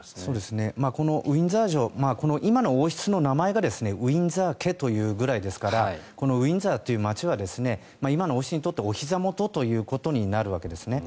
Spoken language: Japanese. このウィンザー城今の王室の名前がウィンザー家というぐらいですからウィンザーという街は今の王室にとっておひざ元とということになるわけですね。